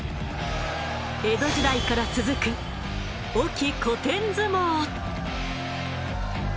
江戸時代から続く隠岐古典相撲。